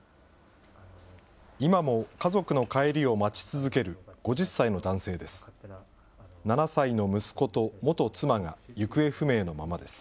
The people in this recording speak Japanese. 今も家族の帰りを待ち続ける５０歳の男性です。